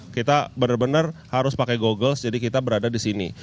kita benar benar harus pakai google jadi kita berada di sini